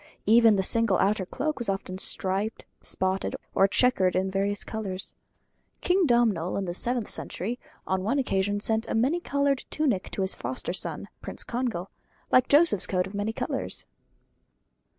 Even the single outer cloak was often striped, spotted, or chequered in various colours. King Domnall, in the seventh century, on one occasion sent a many coloured tunic to his foster son Prince Congal: like Joseph's coat of many colours.